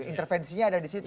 intervensinya ada disitu